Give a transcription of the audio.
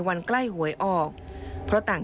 ผ้า๓สีเข็มขัดทอง